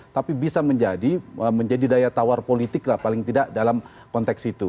tapi bisa menjadi daya tawar politik lah paling tidak dalam konteks itu